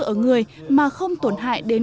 ở người mà không tổn hại đến